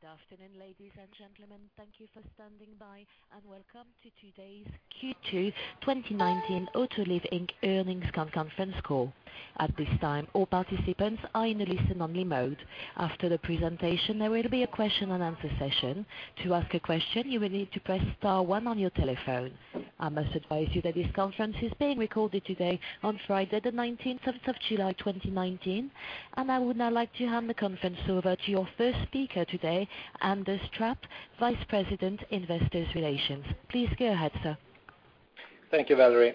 Good afternoon, ladies and gentlemen. Thank you for standing by and welcome to today's Q2 2019 Autoliv Inc. earnings conference call. At this time, all participants are in a listen only mode. After the presentation, there will be a question and answer session. To ask a question, you will need to press star one on your telephone. I must advise you that this conference is being recorded today on Friday, the 19th of July, 2019. I would now like to hand the conference over to your first speaker today, Anders Trapp, Vice President, Investor Relations. Please go ahead, sir. Thank you, Valerie.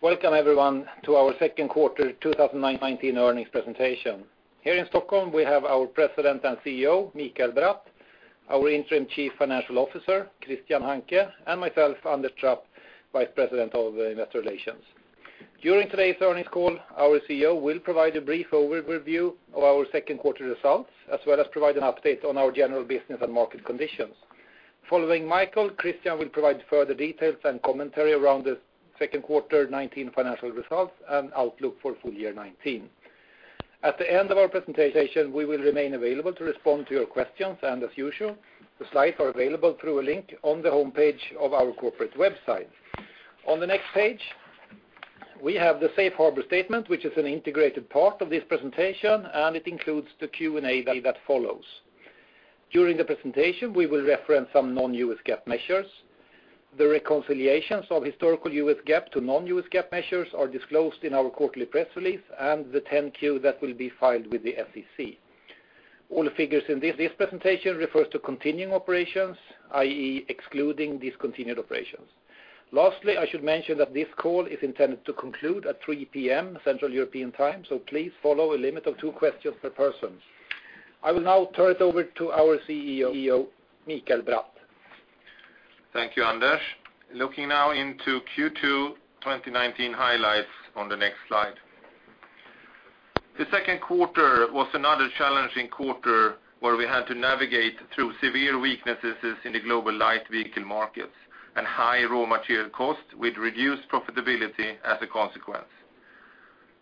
Welcome everyone to our second quarter 2019 earnings presentation. Here in Stockholm, we have our President and CEO, Mikael Bratt, our Interim Chief Financial Officer, Christian Hanke, and myself, Anders Trapp, Vice President, Investor Relations. During today's earnings call, our CEO will provide a brief overview of our second quarter results, as well as provide an update on our general business and market conditions. Following Mikael, Christian will provide further details and commentary around the second quarter 2019 financial results and outlook for full year 2019. At the end of our presentation, we will remain available to respond to your questions. As usual, the slides are available through a link on the homepage of our corporate website. On the next page, we have the safe harbor statement, which is an integrated part of this presentation, and it includes the Q&A that follows. During the presentation, we will reference some non-U.S. GAAP measures. The reconciliations of historical U.S. GAAP to non-U.S. GAAP measures are disclosed in our quarterly press release and the 10-Q that will be filed with the SEC. All the figures in this presentation refers to continuing operations, i.e., excluding discontinued operations. Lastly, I should mention that this call is intended to conclude at 3:00 P.M. Central European Time. Please follow a limit of two questions per person. I will now turn it over to our CEO, Mikael Bratt. Thank you, Anders. Looking now into Q2 2019 highlights on the next slide. The second quarter was another challenging quarter where we had to navigate through severe weaknesses in the global light vehicle markets and high raw material costs, with reduced profitability as a consequence.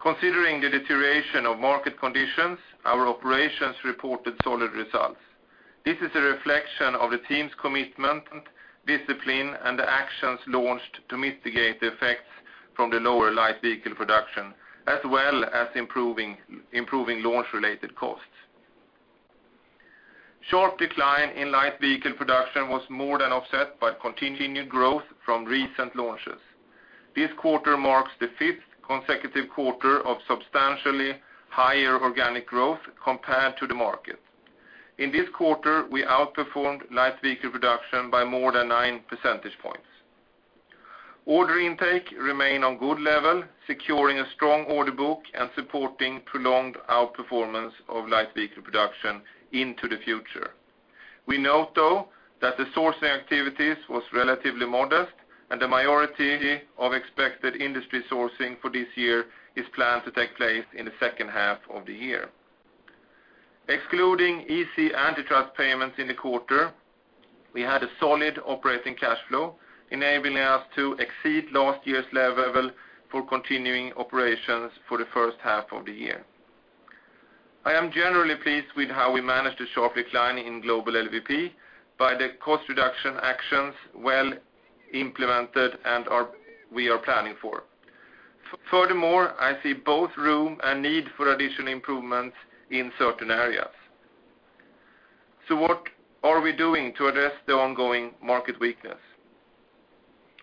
Considering the deterioration of market conditions, our operations reported solid results. This is a reflection of the team's commitment, discipline, and the actions launched to mitigate the effects from the lower light vehicle production, as well as improving launch-related costs. Sharp decline in light vehicle production was more than offset by continued growth from recent launches. This quarter marks the fifth consecutive quarter of substantially higher organic growth compared to the market. In this quarter, we outperformed light vehicle production by more than nine percentage points. Order intake remain on good level, securing a strong order book and supporting prolonged outperformance of light vehicle production into the future. We note, though, that the sourcing activities was relatively modest, and the majority of expected industry sourcing for this year is planned to take place in the second half of the year. Excluding EC antitrust payments in the quarter, we had a solid operating cash flow, enabling us to exceed last year's level for continuing operations for the first half of the year. I am generally pleased with how we managed the sharp decline in global LVP by the cost reduction actions well implemented and we are planning for. Furthermore, I see both room and need for additional improvements in certain areas. What are we doing to address the ongoing market weakness?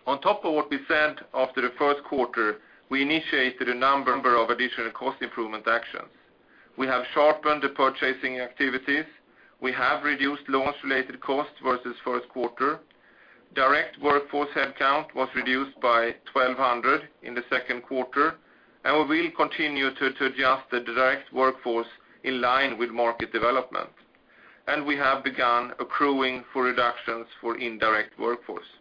On top of what we said after the first quarter, we initiated a number of additional cost improvement actions. We have sharpened the purchasing activities. We have reduced launch-related costs versus first quarter. Direct workforce headcount was reduced by 1,200 in the second quarter, and we will continue to adjust the direct workforce in line with market development. We have begun accruing for reductions for indirect workforce.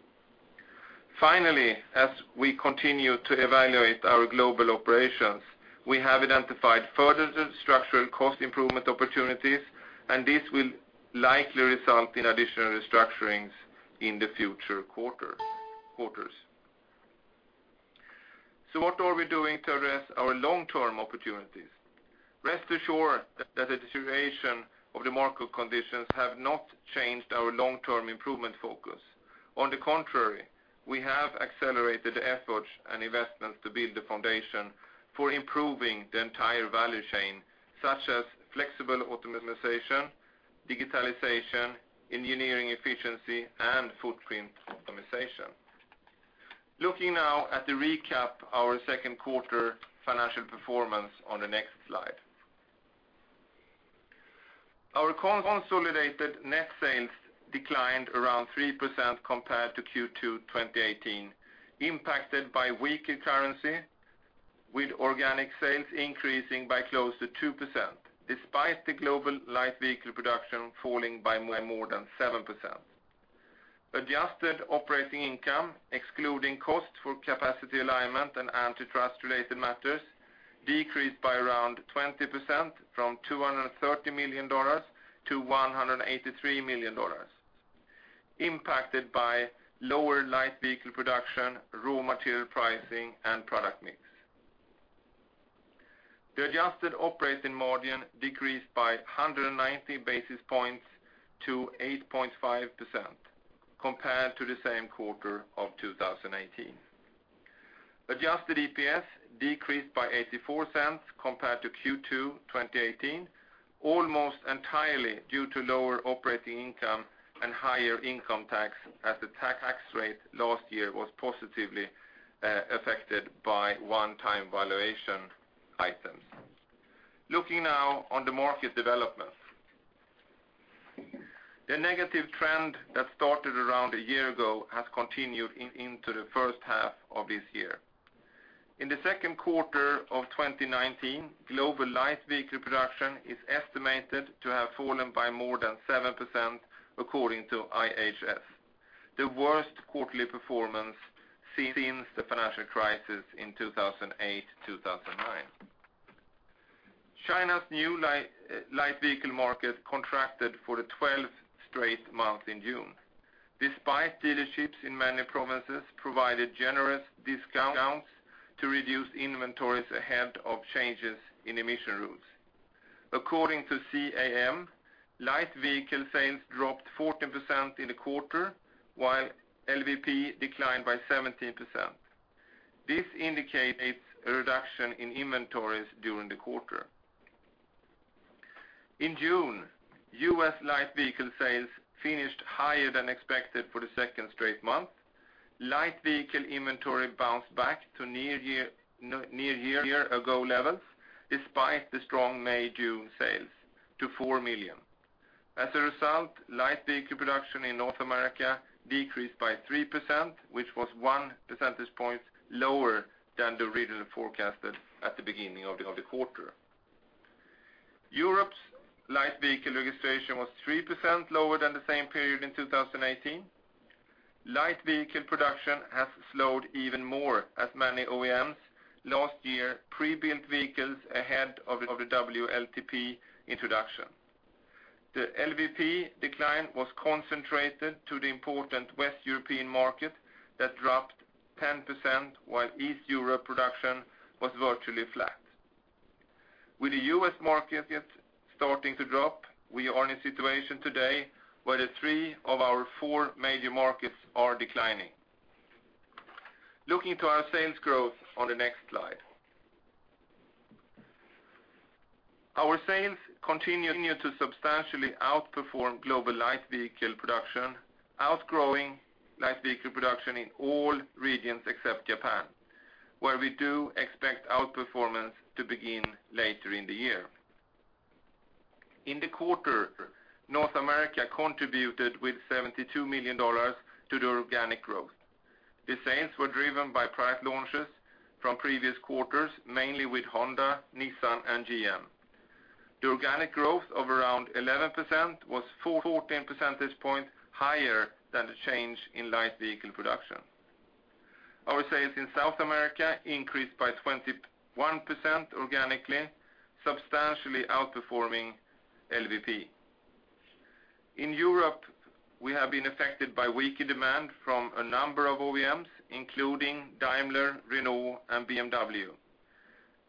Finally, as we continue to evaluate our global operations, we have identified further structural cost improvement opportunities, and this will likely result in additional restructurings in the future quarters. What are we doing to address our long-term opportunities? Rest assured that the duration of the market conditions have not changed our long-term improvement focus. On the contrary, we have accelerated efforts and investments to build the foundation for improving the entire value chain, such as flexible optimization, digitalization, engineering efficiency, and footprint optimization. Looking now at the recap our second quarter financial performance on the next slide. Our consolidated net sales declined around 3% compared to Q2 2018, impacted by weaker currency, with organic sales increasing by close to 2%, despite the global light vehicle production falling by more than 7%. Adjusted operating income, excluding cost for capacity alignment and antitrust-related matters, decreased by around 20%, from $230 million to $183 million, impacted by lower light vehicle production, raw material pricing, and product mix. The adjusted operating margin decreased by 190 basis points to 8.5% compared to the same quarter of 2018. Adjusted EPS decreased by $0.84 compared to Q2 2018, almost entirely due to lower operating income and higher income tax, as the tax rate last year was positively affected by one-time valuation items. Looking now on the market developments. The negative trend that started around a year ago has continued into the first half of this year. In the second quarter of 2019, global light vehicle production is estimated to have fallen by more than 7%, according to IHS, the worst quarterly performance since the financial crisis in 2008-2009. China's new light vehicle market contracted for the 12th straight month in June. Despite dealerships in many provinces provided generous discounts to reduce inventories ahead of changes in emission rules. According to CAAM, light vehicle sales dropped 14% in the quarter, while LVP declined by 17%. This indicates a reduction in inventories during the quarter. In June, U.S. light vehicle sales finished higher than expected for the second straight month. Light vehicle inventory bounced back to near year-ago levels, despite the strong May, June sales to four million. As a result, light vehicle production in North America decreased by 3%, which was one percentage point lower than the region forecasted at the beginning of the quarter. Europe's light vehicle registration was 3% lower than the same period in 2018. Light vehicle production has slowed even more, as many OEMs last year pre-built vehicles ahead of the WLTP introduction. The LVP decline was concentrated to the important West European market that dropped 10%, while East Europe production was virtually flat. With the U.S. market starting to drop, we are in a situation today where the three of our four major markets are declining. Looking to our sales growth on the next slide. Our sales continued to substantially outperform global light vehicle production, outgrowing light vehicle production in all regions except Japan, where we do expect outperformance to begin later in the year. In the quarter, North America contributed with $72 million to the organic growth. The sales were driven by product launches from previous quarters, mainly with Honda, Nissan, and GM. The organic growth of around 11% was 14 percentage points higher than the change in light vehicle production. Our sales in South America increased by 21% organically, substantially outperforming LVP. In Europe, we have been affected by weaker demand from a number of OEMs, including Daimler, Renault, and BMW.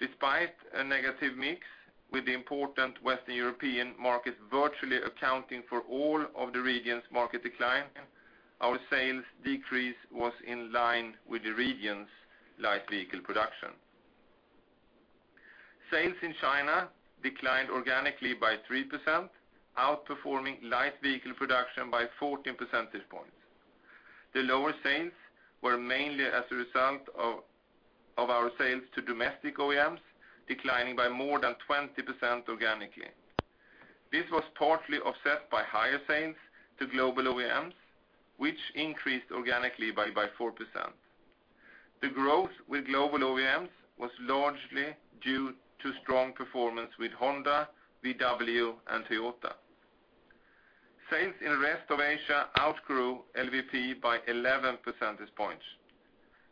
Despite a negative mix with the important Western European market virtually accounting for all of the region's market decline, our sales decrease was in line with the region's light vehicle production. Sales in China declined organically by 3%, outperforming light vehicle production by 14 percentage points. The lower sales were mainly as a result of our sales to domestic OEMs declining by more than 20% organically. This was partly offset by higher sales to global OEMs, which increased organically by 4%. The growth with global OEMs was largely due to strong performance with Honda, VW, and Toyota. Sales in rest of Asia outgrew LVP by 11 percentage points.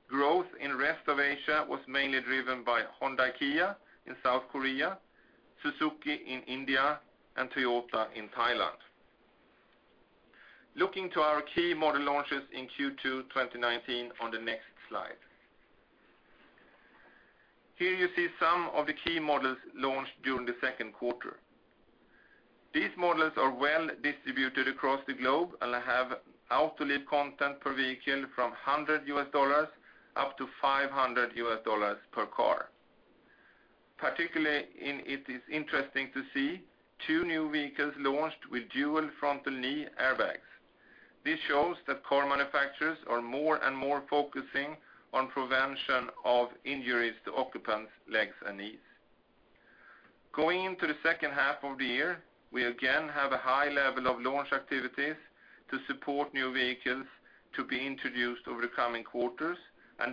Growth in rest of Asia was mainly driven by Honda, Kia in South Korea, Suzuki in India, and Toyota in Thailand. Looking to our key model launches in Q2 2019 on the next slide. Here you see some of the key models launched during the second quarter. These models are well distributed across the globe and have Autoliv content per vehicle from $100 up to $500 per car. Particularly it is interesting to see two new vehicles launched with dual frontal knee airbags. This shows that car manufacturers are more and more focusing on prevention of injuries to occupants' legs and knees. Going into the second half of the year, we again have a high level of launch activities to support new vehicles to be introduced over the coming quarters,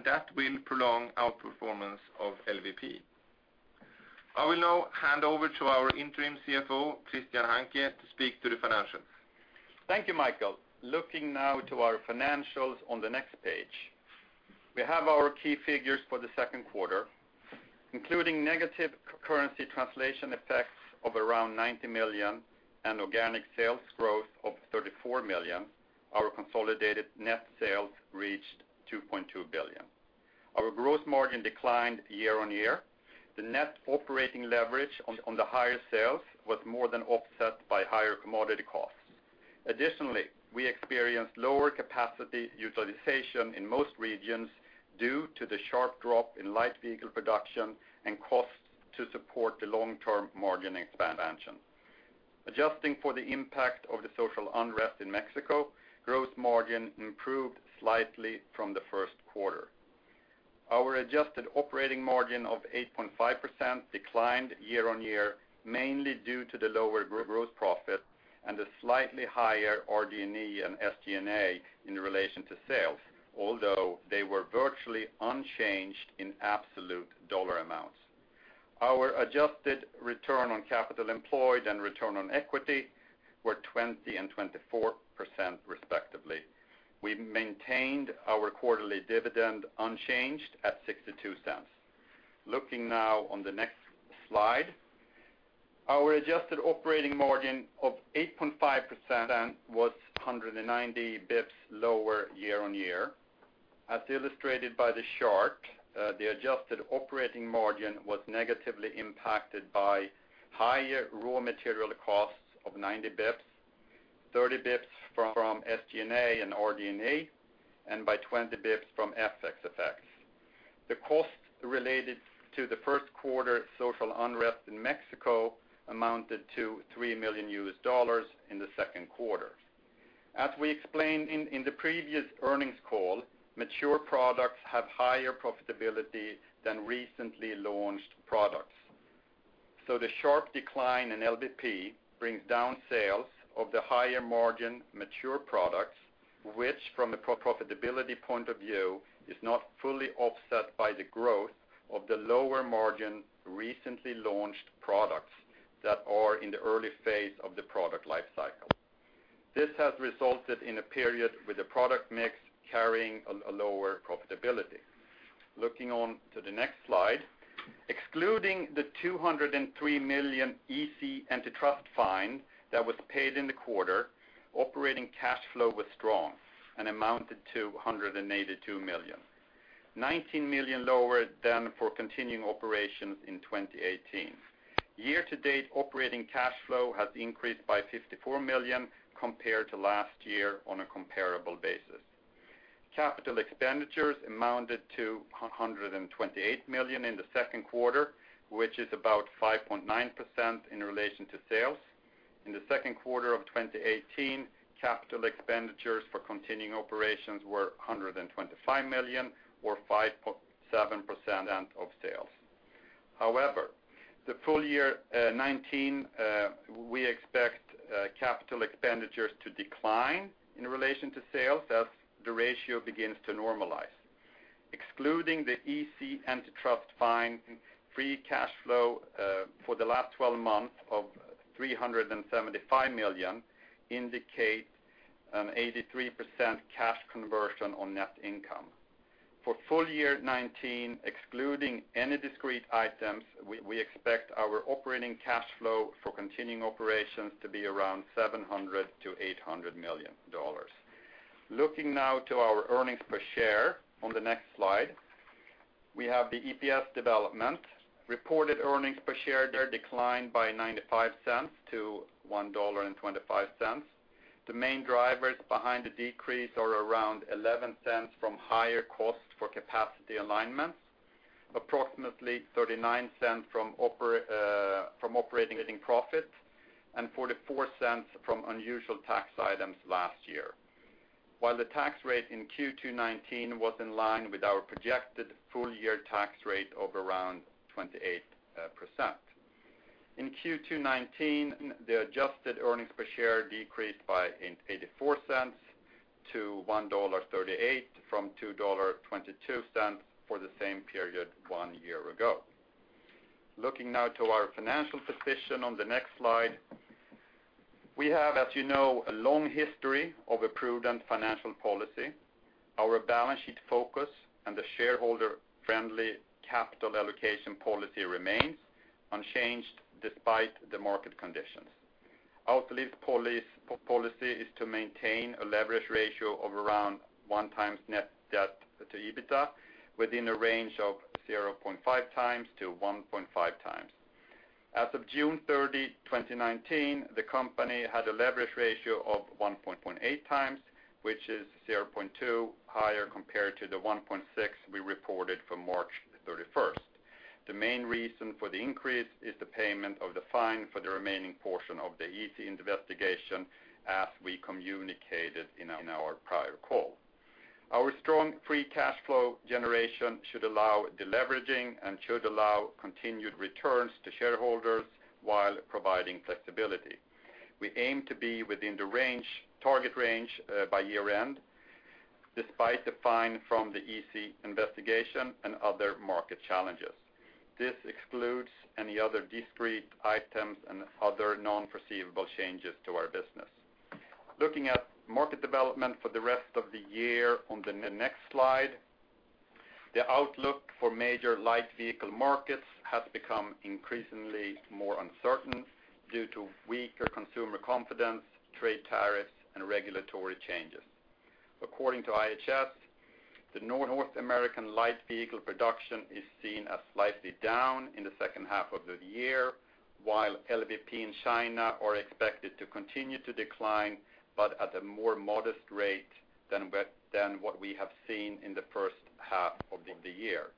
that will prolong outperformance of LVP. I will now hand over to our Interim Chief Financial Officer, Christian Hanke, to speak to the financials. Thank you, Mikael. Looking now to our financials on the next page. We have our key figures for the second quarter, including negative currency translation effects of around $90 million and organic sales growth of $34 million, our consolidated net sales reached $2.2 billion. Our gross margin declined year-over-year. The net operating leverage on the higher sales was more than offset by higher commodity costs. Additionally, we experienced lower capacity utilization in most regions due to the sharp drop in light vehicle production and costs to support the long-term margin expansion. Adjusting for the impact of the social unrest in Mexico, gross margin improved slightly from the first quarter. Our adjusted operating margin of 8.5% declined year-over-year, mainly due to the lower gross profit and the slightly higher RD&E and SG&A in relation to sales, although they were virtually unchanged in absolute dollar amounts. Our adjusted return on capital employed and return on equity were 20% and 24%, respectively. We maintained our quarterly dividend unchanged at $0.62. Looking now on the next slide, our adjusted operating margin of 8.5% was 190 basis points lower year-over-year. As illustrated by the chart, the adjusted operating margin was negatively impacted by higher raw material costs of 90 basis points, 30 basis points from SG&A and RD&E, and by 20 basis points from FX effects. The costs related to the first quarter social unrest in Mexico amounted to $3 million in the second quarter. As we explained in the previous earnings call, mature products have higher profitability than recently launched products. The sharp decline in LVP brings down sales of the higher margin mature products, which, from a profitability point of view, is not fully offset by the growth of the lower margin recently launched products that are in the early phase of the product life cycle. This has resulted in a period with a product mix carrying a lower profitability. Looking on to the next slide, excluding the $203 million EC antitrust fine that was paid in the quarter, operating cash flow was strong and amounted to $182 million, $19 million lower than for continuing operations in 2018. Year-to-date, operating cash flow has increased by $54 million compared to last year on a comparable basis. Capital expenditures amounted to $128 million in the second quarter, which is about 5.9% in relation to sales. In the second quarter of 2018, capital expenditures for continuing operations were $125 million or 5.7% of sales. The full year 2019, we expect capital expenditures to decline in relation to sales as the ratio begins to normalize. Excluding the EC antitrust fine, free cash flow for the last 12 months of $375 million indicate an 83% cash conversion on net income. For full year 2019, excluding any discrete items, we expect our operating cash flow for continuing operations to be around $700 million-$800 million. Looking now to our earnings per share on the next slide, we have the EPS development. Reported earnings per share declined by $0.95 to $1.25. The main drivers behind the decrease are around $0.11 from higher cost for capacity alignments, approximately $0.39 from operating profit, and $0.44 from unusual tax items last year. While the tax rate in Q2 2019 was in line with our projected full-year tax rate of around 28%. In Q2 2019, the adjusted earnings per share decreased by $0.84 to $1.38 from $2.22 for the same period one year ago. Looking now to our financial position on the next slide. We have, as you know, a long history of a prudent financial policy. Our balance sheet focus and the shareholder-friendly capital allocation policy remains unchanged despite the market conditions. Our policy is to maintain a leverage ratio of around 1x net debt to EBITDA within a range of 0.5x to 1.5x. As of June 30, 2019, the company had a leverage ratio of 1.8x, which is 0.2 higher compared to the 1.6 we reported for March 31st. The main reason for the increase is the payment of the fine for the remaining portion of the EC investigation as we communicated in our prior call. Our strong free cash flow generation should allow deleveraging and should allow continued returns to shareholders while providing flexibility. We aim to be within the target range by year end, despite the fine from the EC investigation and other market challenges. This excludes any other discrete items and other non-foreseeable changes to our business. Looking at market development for the rest of the year on the next slide. The outlook for major light vehicle markets has become increasingly more uncertain due to weaker consumer confidence, trade tariffs, and regulatory changes. According to IHS, the North American light vehicle production is seen as slightly down in the second half of the year, while LVP in China are expected to continue to decline, but at a more modest rate than what we have seen in the first half of the year.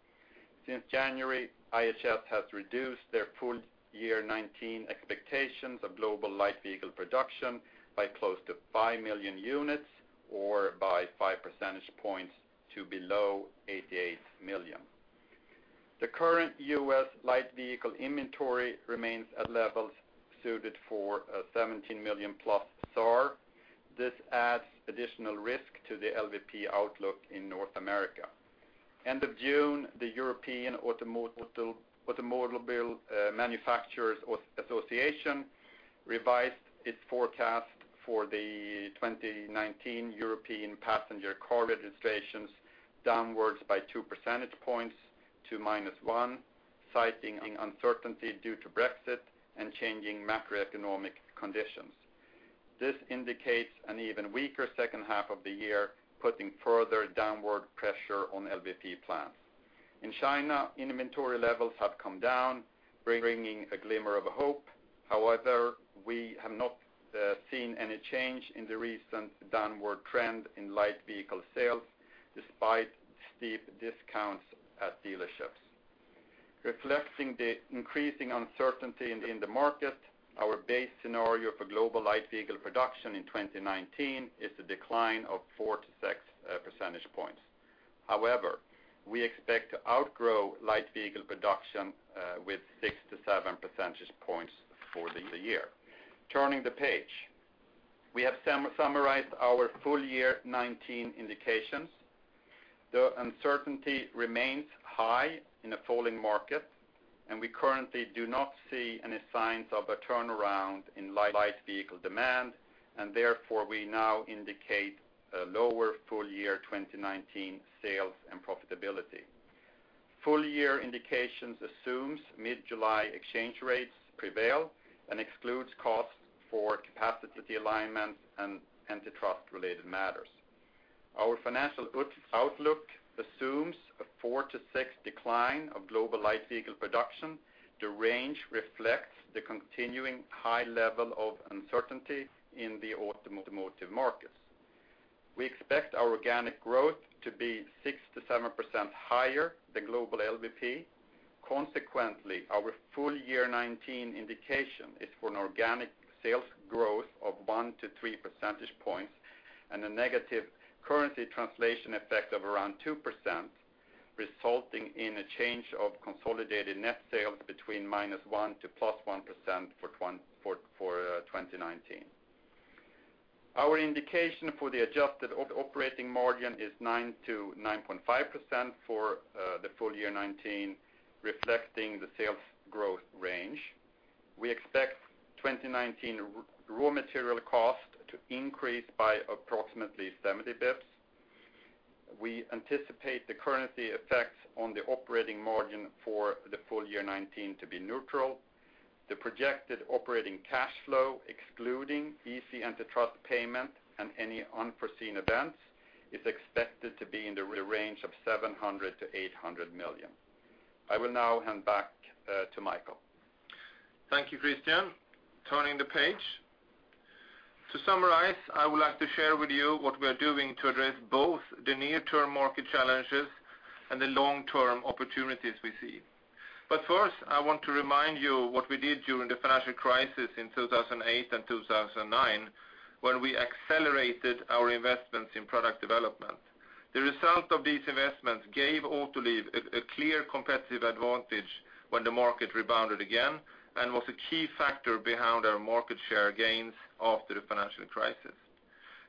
Since January, IHS has reduced their full year 2019 expectations of global light vehicle production by close to 5 million units or by 5 percentage points to below 88 million. The current U.S. light vehicle inventory remains at levels suited for a 17 million plus SAR. This adds additional risk to the LVP outlook in North America. End of June, the European Automobile Manufacturers' Association revised its forecast for the 2019 European passenger car registrations downwards by two percentage points to minus one, citing uncertainty due to Brexit and changing macroeconomic conditions. This indicates an even weaker second half of the year, putting further downward pressure on LVP plans. In China, inventory levels have come down, bringing a glimmer of hope. We have not seen any change in the recent downward trend in light vehicle sales, despite steep discounts at dealerships. Reflecting the increasing uncertainty in the market, our base scenario for global light vehicle production in 2019 is a decline of four to six percentage points. We expect to outgrow light vehicle production with six to seven percentage points for the year. Turning the page. We have summarized our full year 2019 indications. The uncertainty remains high in a falling market. We currently do not see any signs of a turnaround in light vehicle demand. Therefore, we now indicate a lower full year 2019 sales and profitability. Full year indications assumes mid-July exchange rates prevail and excludes costs for capacity alignment and antitrust-related matters. Our financial outlook assumes a 4% to 6% decline of global light vehicle production. The range reflects the continuing high level of uncertainty in the automotive markets. We expect our organic growth to be 6% to 7% higher the global LVP. Consequently, our full year 2019 indication is for an organic sales growth of one to three percentage points and a negative currency translation effect of around 2%, resulting in a change of consolidated net sales between -1% to +1% for 2019. Our indication for the adjusted operating margin is 9% to 9.5% for the full year 2019, reflecting the sales growth range. We expect 2019 raw material cost to increase by approximately 70 basis points. We anticipate the currency effects on the operating margin for the full year 2019 to be neutral. The projected operating cash flow, excluding EC antitrust payment and any unforeseen events, is expected to be in the range of $700 million to $800 million. I will now hand back to Mikael. Thank you, Christian. Turning the page. To summarize, I would like to share with you what we are doing to address both the near-term market challenges and the long-term opportunities we see. First, I want to remind you what we did during the financial crisis in 2008 and 2009, when we accelerated our investments in product development. The result of these investments gave Autoliv a clear competitive advantage when the market rebounded again and was a key factor behind our market share gains after the financial crisis.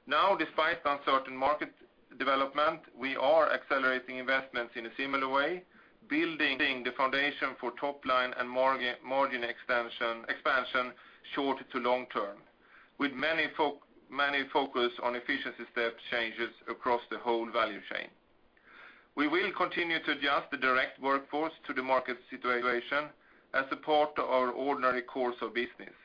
Despite the uncertain market development, we are accelerating investments in a similar way, building the foundation for top line and margin expansion short to long term, with many focus on efficiency step changes across the whole value chain. We will continue to adjust the direct workforce to the market situation as support our ordinary course of business.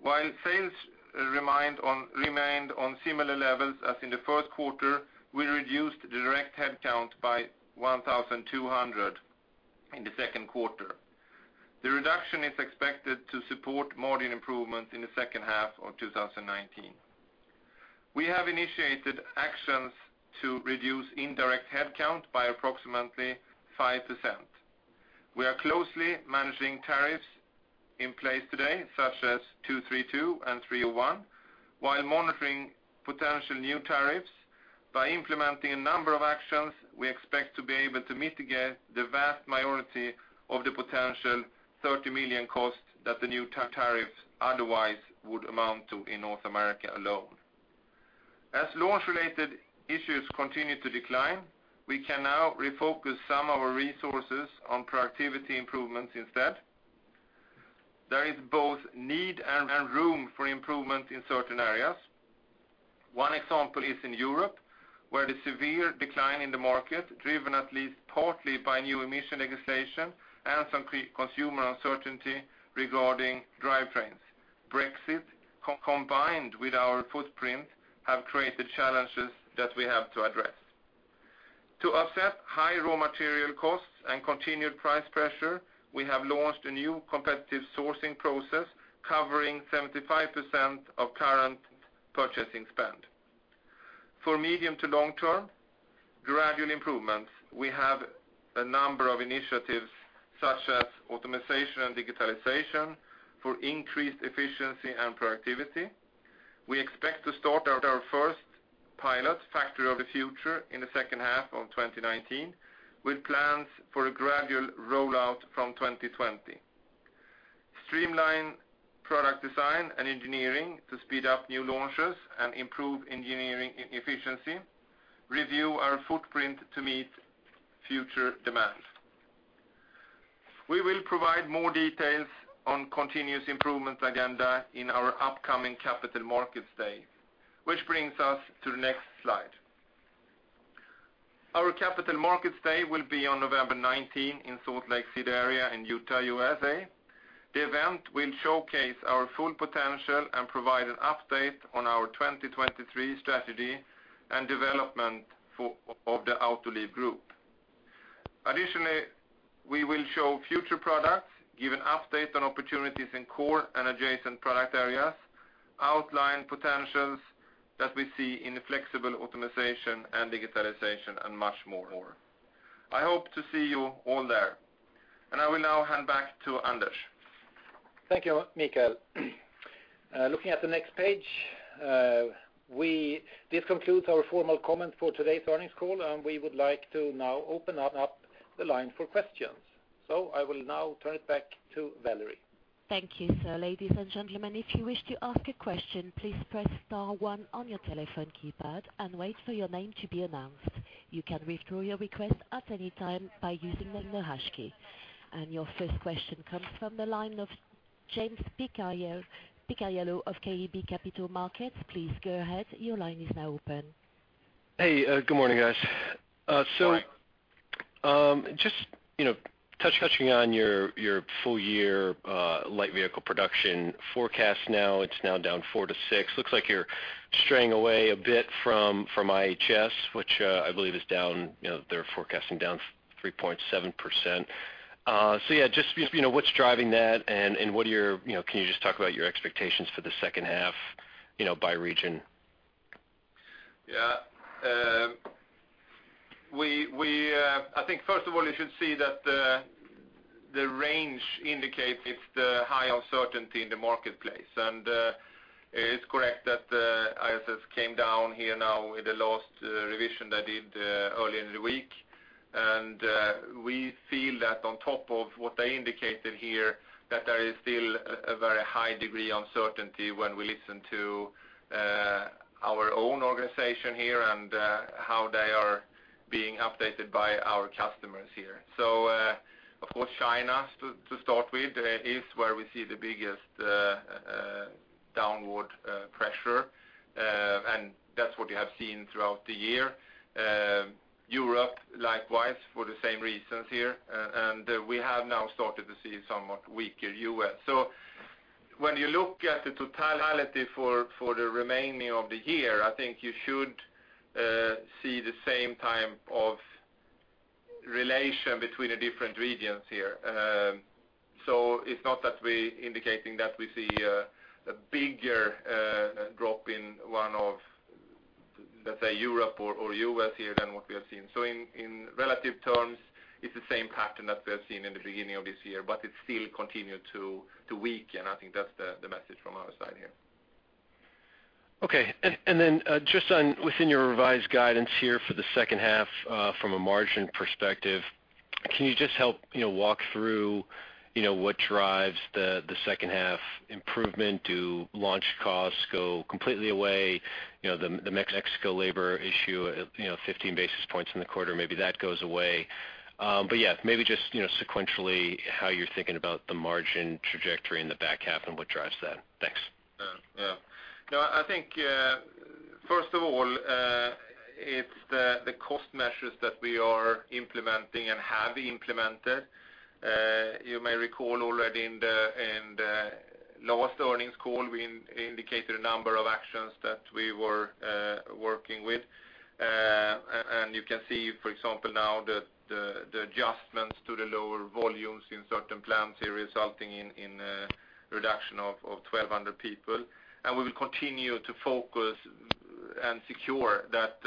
While sales remained on similar levels as in the first quarter, we reduced the direct headcount by 1,200 in the second quarter. The reduction is expected to support margin improvement in the second half of 2019. We have initiated actions to reduce indirect headcount by approximately 5%. We are closely managing tariffs in place today, such as 232 and 301, while monitoring potential new tariffs. By implementing a number of actions, we expect to be able to mitigate the vast majority of the potential $30 million cost that the new tariffs otherwise would amount to in North America alone. As launch-related issues continue to decline, we can now refocus some of our resources on productivity improvements instead. There is both need and room for improvement in certain areas. One example is in Europe, where the severe decline in the market, driven at least partly by new emission legislation and some consumer uncertainty regarding drivetrains. Brexit, combined with our footprint, have created challenges that we have to address. To offset high raw material costs and continued price pressure, we have launched a new competitive sourcing process covering 75% of current purchasing spend. For medium to long term gradual improvements, we have a number of initiatives such as automatization and digitalization for increased efficiency and productivity. We expect to start our first pilot factory of the future in the second half of 2019, with plans for a gradual rollout from 2020. Streamline product design and engineering to speed up new launches and improve engineering efficiency, review our footprint to meet future demands. We will provide more details on continuous improvement agenda in our upcoming Capital Markets Day, which brings us to the next slide. Our Capital Markets Day will be on November 19 in Salt Lake City area in Utah, U.S.A. The event will showcase our full potential and provide an update on our 2023 strategy and development of the Autoliv Group. Additionally, we will show future products, give an update on opportunities in core and adjacent product areas, outline potentials that we see in flexible automatization and digitalization, and much more. I hope to see you all there and I will now hand back to Anders. Thank you, Mikael. Looking at the next page, this concludes our formal comment for today's earnings call. We would like to now open up the line for questions. I will now turn it back to Valerie. Thank you, sir. Ladies and gentlemen, if you wish to ask a question, please press star one on your telephone keypad and wait for your name to be announced. You can withdraw your request at any time by using the hash key. Your first question comes from the line of James Picariello of KeyBanc Capital Markets. Please go ahead. Your line is now open. Hey, good morning, guys. Morning. Just touching on your full-year light vehicle production forecast now. It's now down 4%-6%. Looks like you're straying away a bit from IHS, which I believe they're forecasting down 3.7%. Yeah, just what's driving that, and can you just talk about your expectations for the second half by region? Yeah. I think, first of all, you should see that the range indicates the high uncertainty in the marketplace. It's correct that IHS came down here now with the last revision they did earlier in the week. We feel that on top of what they indicated here, that there is still a very high degree of uncertainty when we listen to our own organization here and how they are being updated by our customers here. Of course, China, to start with, is where we see the biggest downward pressure, and that's what you have seen throughout the year. Europe, likewise, for the same reasons here. We have now started to see somewhat weaker U.S. When you look at the totality for the remaining of the year, I think you should see the same type of relation between the different regions here. It's not that we're indicating that we see a bigger drop in one of, let's say, Europe or U.S. here than what we have seen. In relative terms, it's the same pattern that we have seen in the beginning of this year, but it still continued to weaken. I think that's the message from our side here. Okay. Just within your revised guidance here for the second half, from a margin perspective, can you just help walk through what drives the second half improvement? Do launch costs go completely away? The Mexico labor issue 15 basis points in the quarter, maybe that goes away. Maybe just sequentially how you're thinking about the margin trajectory in the back half and what drives that? Thanks. First of all, it's the cost measures that we are implementing and have implemented. You may recall already in the last earnings call, we indicated a number of actions that we were working with. You can see, for example, now the adjustments to the lower volumes in certain plants here resulting in a reduction of 1,200 people. We will continue to focus and secure that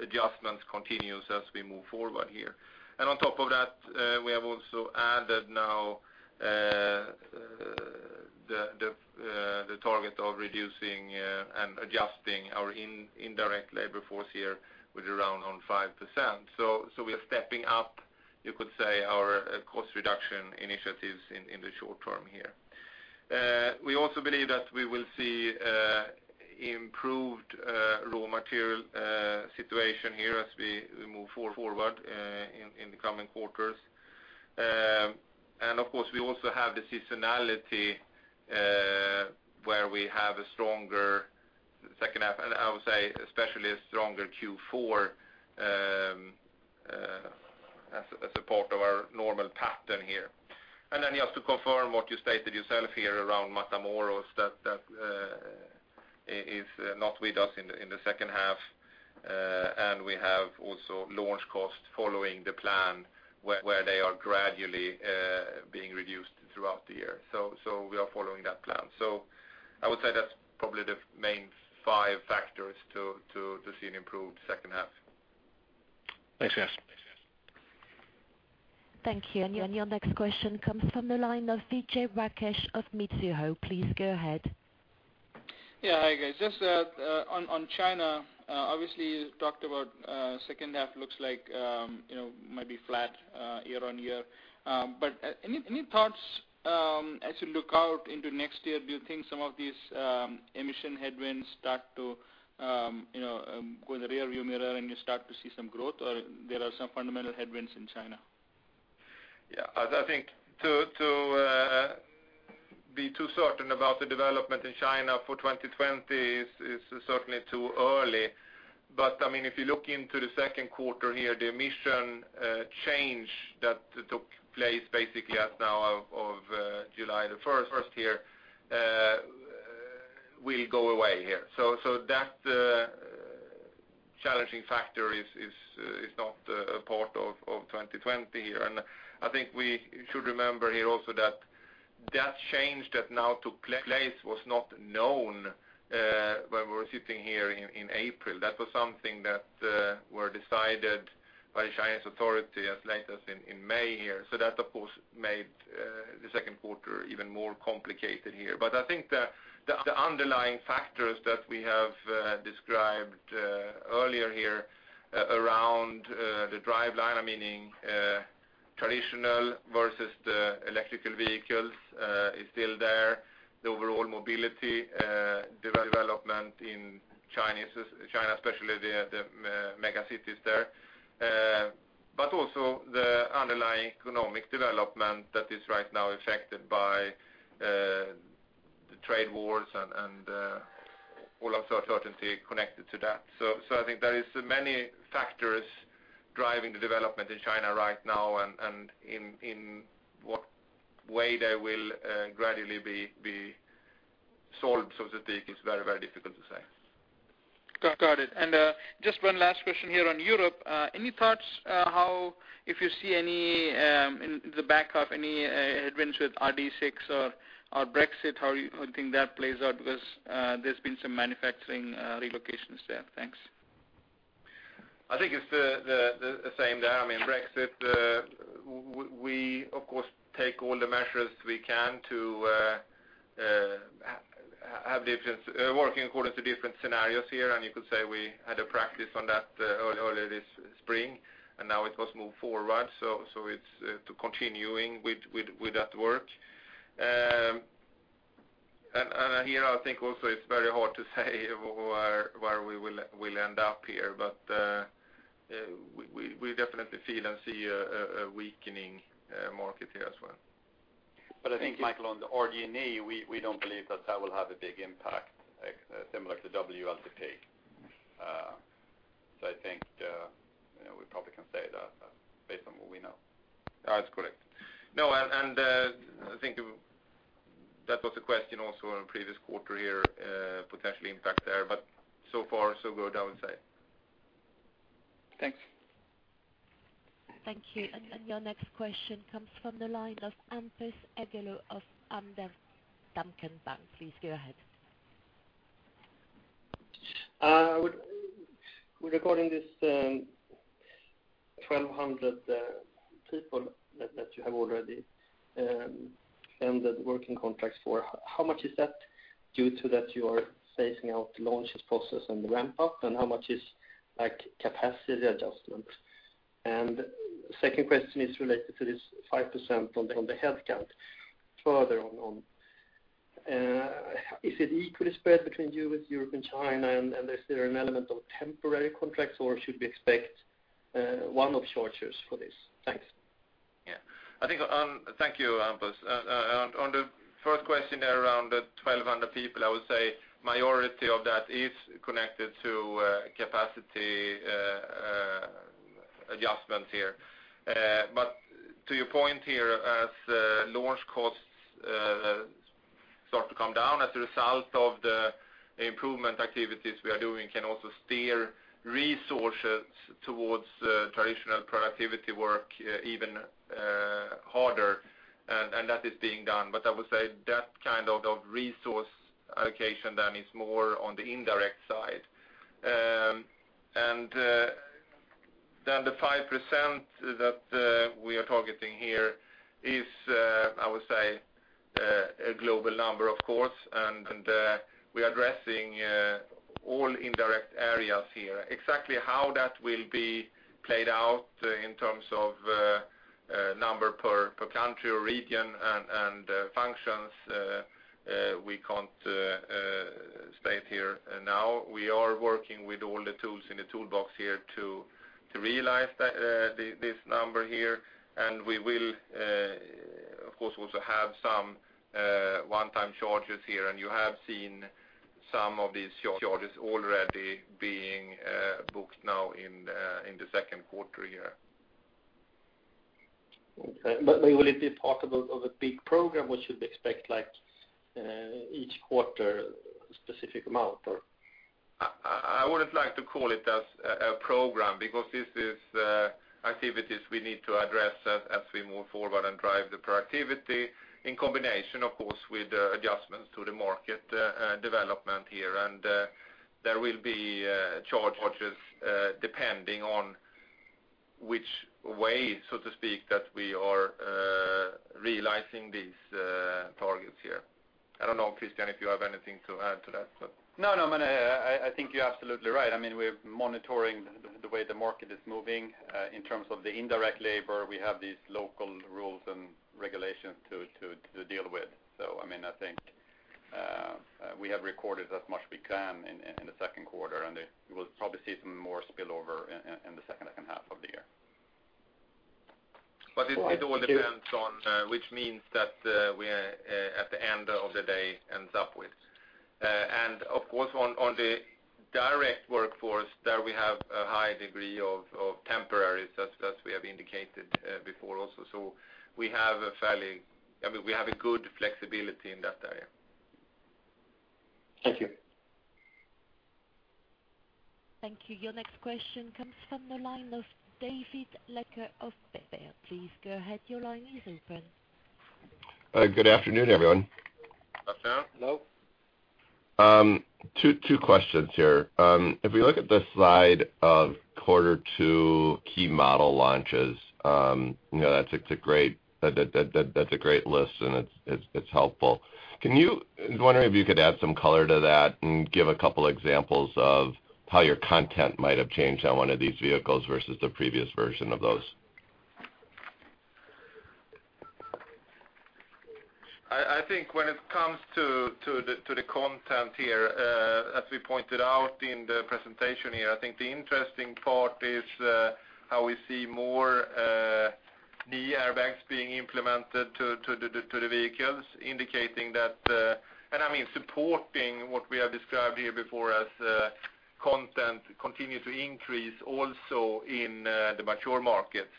adjustment continues as we move forward here. On top of that, we have also added now the target of reducing and adjusting our indirect labor force here with around 5%. We are stepping up, you could say, our cost reduction initiatives in the short term here. We also believe that we will see improved raw material situation here as we move forward in the coming quarters. Of course, we also have the seasonality, where we have a stronger second half, and I would say especially a stronger Q4, as a part of our normal pattern here. Just to confirm what you stated yourself here around Matamoros, that is not with us in the second half. We have also launch costs following the plan where they are gradually being reduced throughout the year. We are following that plan. I would say that's probably the main five factors to see an improved second half. Thanks [guys]. Thank you. Your next question comes from the line of Vijay Rakesh of Mizuho. Please go ahead. Hi, guys. Just on China, obviously you talked about second half looks like maybe flat year-over-year. Any thoughts as you look out into next year, do you think some of these emission headwinds start to go in the rear view mirror and you start to see some growth, or there are some fundamental headwinds in China? To be too certain about the development in China for 2020 is certainly too early. If you look into the second quarter here, the emission change that took place basically as now of July 1st here will go away here. That challenging factor is not a part of 2020 here. I think we should remember here also that change that now took place was not known when we were sitting here in April. That was something that were decided by China's authority as late as in May here. That of course made the second quarter even more complicated here. I think the underlying factors that we have described earlier here around the driveline, I'm meaning traditional versus the electrical vehicles, is still there. The overall mobility development in China, especially the mega cities there. Also the underlying economic development that is right now affected by the trade wars and all uncertainty connected to that. I think there is many factors driving the development in China right now and in what way they will gradually be solved, so to speak, is very difficult to say. Got it. Just one last question here on Europe. Any thoughts, if you see any in the back half, any headwinds with RDE6 or Brexit? How do you think that plays out? Because there's been some manufacturing relocations there. Thanks. It's the same there. Brexit, we of course take all the measures we can to working according to different scenarios here, you could say we had a practice run that earlier this spring, now it has moved forward, it's to continuing with that work. Here, I think also it's very hard to say where we will end up here. We definitely feel and see a weakening market here as well. Mikael, on the RD&E, we don't believe that that will have a big impact similar to the WLTP. I think we probably can say that based on what we know. That's correct. No, I think that was a question also in previous quarter here, potential impact there. So far so good, I would say. Thanks. Thank you. Your next question comes from the line of Hampus Engellau of Handelsbanken Capital Markets. Please go ahead. Regarding this 1,200 people that you have already ended working contracts for, how much is that due to that you are phasing out the launches process and the ramp up, and how much is capacity adjustment? Second question is related to this 5% on the headcount further on. Is it equally spread between you with Europe and China, and is there an element of temporary contracts, or should we expect one-off charges for this? Thanks. Yeah. Thank you, Hampus. On the first question there around the 1,200 people, I would say majority of that is connected to capacity adjustments here. To your point here, as launch costs start to come down as a result of the improvement activities we are doing can also steer resources towards traditional productivity work even harder, and that is being done. I would say that kind of resource allocation then is more on the indirect side. The 5% that we are targeting here is, I would say, a global number, of course. We are addressing all indirect areas here. Exactly how that will be played out in terms of number per country or region and functions, we can't state here now. We are working with all the tools in the toolbox here to realize this number here. We will, of course, also have some one-time charges here, and you have seen some of these charges already being booked now in the second quarter here. Okay. Will it be part of a big program, or we should expect each quarter a specific amount, or? I wouldn't like to call it as a program because these are activities we need to address as we move forward and drive the productivity in combination, of course, with adjustments to the market development here. There will be charges depending on which way, so to speak, that we are realizing these targets here. I don't know, Christian, if you have anything to add to that. No, I think you're absolutely right. We're monitoring the way the market is moving. In terms of the indirect labor, we have these local rules and regulations to deal with. I think we have recorded as much as we can in the second quarter, and we will probably see some more spillover in the second half of the year. It all depends on which means that at the end of the day ends up with. Of course, on the direct workforce, there we have a high degree of temporaries, as we have indicated before also. We have a good flexibility in that area. Thank you. Thank you. Your next question comes from the line of David Leiker of Baird. Please go ahead. Your line is open. Good afternoon, everyone. Afternoon. Hello. Two questions here. If we look at the slide of quarter two key model launches, that's a great list and it's helpful. I was wondering if you could add some color to that and give a couple examples of how your content might have changed on one of these vehicles versus the previous version of those. When it comes to the content here, as we pointed out in the presentation here, I think the interesting part is how we see more knee airbags being implemented to the vehicles, I mean, supporting what we have described here before as content continue to increase also in the mature markets.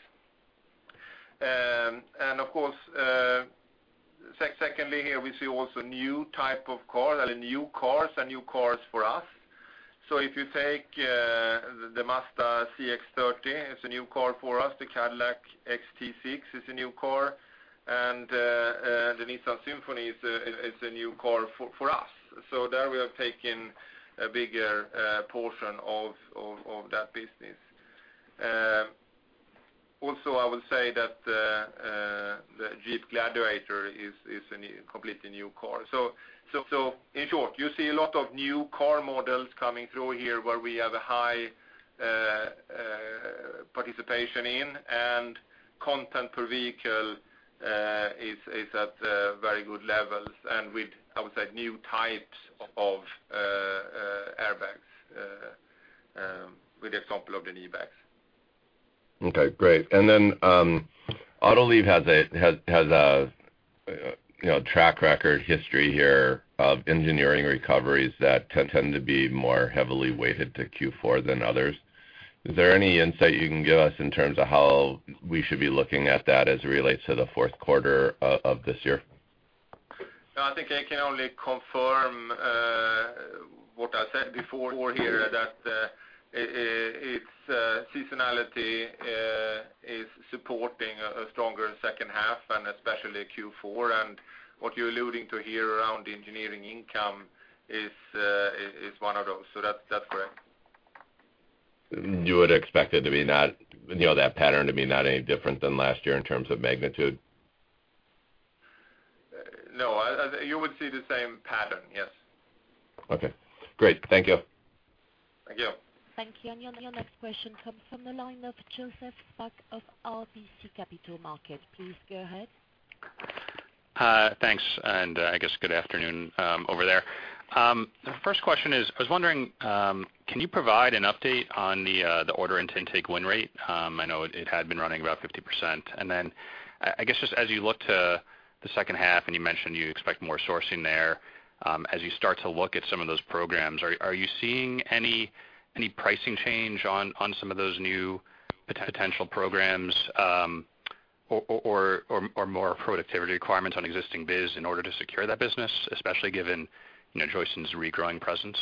Of course, secondly here, we see also new type of car, new cars and new cars for us. If you take the Mazda CX-30, it's a new car for us. The Cadillac XT6 is a new car, and the Nissan Sylphy is a new car for us. There we have taken a bigger portion of that business. Also, I would say that the Jeep Gladiator is a completely new car. In short, you see a lot of new car models coming through here where we have a high participation in and content per vehicle is at very good levels and with, I would say, new types of airbags, with the example of the knee bags. Okay, great. Autoliv has a track record history here of engineering recoveries that tend to be more heavily weighted to Q4 than others. Is there any insight you can give us in terms of how we should be looking at that as it relates to the fourth quarter of this year? No, I think I can only confirm what I said before here, that its seasonality is supporting a stronger second half and especially Q4, and what you're alluding to here around engineering income is one of those. That's correct. You would expect that pattern to be not any different than last year in terms of magnitude? No, you would see the same pattern, yes. Okay, great. Thank you. Thank you. Thank you. Your next question comes from the line of Joseph Spak of RBC Capital Markets. Please go ahead. Thanks. I guess good afternoon over there. The first question is, I was wondering, can you provide an update on the order intake win rate? I know it had been running about 50%. I guess, just as you look to the second half, and you mentioned you expect more sourcing there, as you start to look at some of those programs, are you seeing any pricing change on some of those new potential programs or more productivity requirements on existing biz in order to secure that business, especially given Joyson's regrowing presence?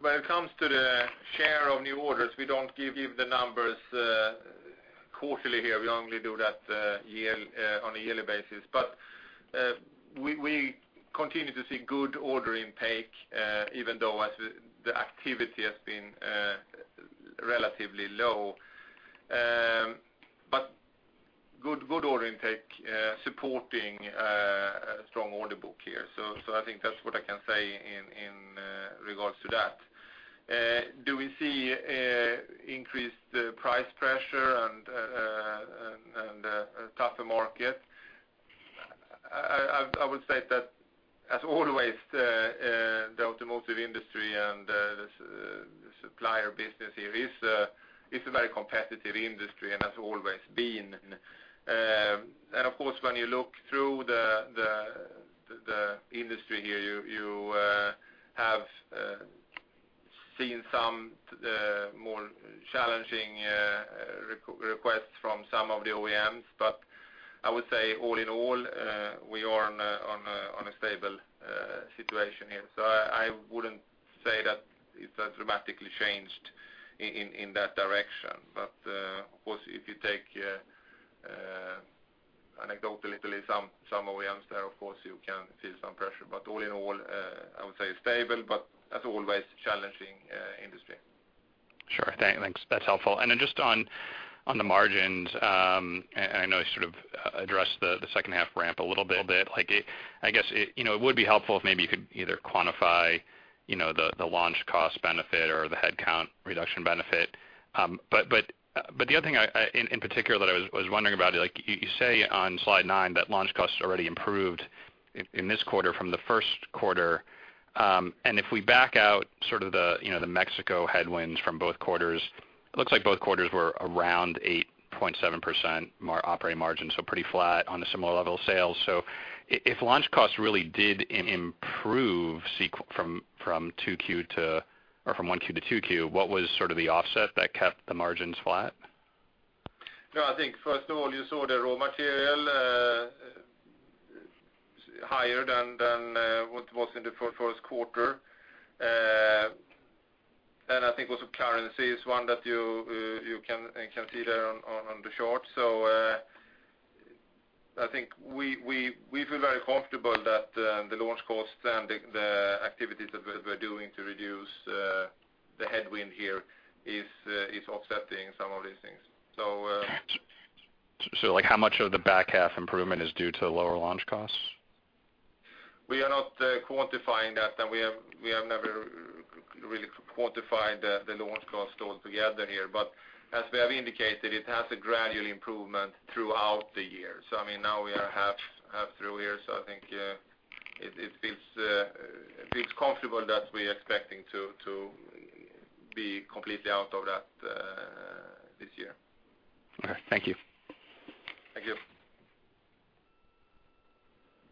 When it comes to the share of new orders, we don't give the numbers quarterly here. We only do that on a yearly basis. We continue to see good order intake even though the activity has been relatively low supporting a strong order book here. I think that's what I can say in regards to that. Do we see increased price pressure and a tougher market? I would say that as always, the automotive industry and the supplier business here is a very competitive industry and has always been. When you look through the industry here, you have seen some more challenging requests from some of the OEMs, but I would say all in all, we are on a stable situation here. I wouldn't say that it has dramatically changed in that direction. Of course, if you take anecdotally some OEMs there, of course you can feel some pressure. All in all, I would say stable, but as always, challenging industry. Sure. Thanks. That's helpful. Just on the margins, I know you sort of addressed the second half ramp a little bit, I guess it would be helpful if maybe you could either quantify the launch cost benefit or the headcount reduction benefit. The other thing in particular that I was wondering about, you say on slide nine that launch costs already improved in this quarter from the first quarter. If we back out sort of the Mexico headwinds from both quarters, it looks like both quarters were around 8.7% operating margin, so pretty flat on a similar level of sales. If launch costs really did improve from 1Q to 2Q, what was sort of the offset that kept the margins flat? First of all, you saw the raw material higher than what was in the first quarter. I think also currency is one that you can see there on the chart. I think we feel very comfortable that the launch costs and the activities that we're doing to reduce the headwind here is offsetting some of these things. How much of the back half improvement is due to lower launch costs? We are not quantifying that, we have never really quantified the launch costs altogether here. As we have indicated, it has a gradual improvement throughout the year. I mean, now we are half through here, I think it feels comfortable that we are expecting to be completely out of that this year. All right. Thank you. Thank you.